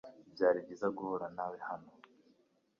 Byari byiza guhura nawe hano .